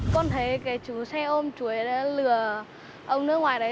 con thấy cái chú xe ôm chú ấy đã lừa ông nơi ngoài đấy